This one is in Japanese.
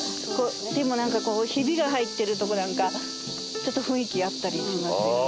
でもなんかこうヒビが入ってるとこなんかちょっと雰囲気あったりしますよね。